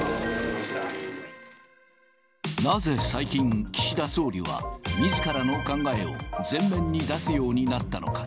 なぜ最近、岸田総理はみずからの考えを、前面に出すようになったのか。